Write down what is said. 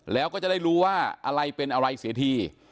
แล้วก็จะได้รู้ว่าอะไรเป็นอะไรเสียที